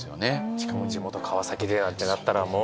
しかも地元川崎でなんてなったらもう。